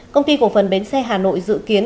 công ty cổ phần bến xe hà nội dự kiến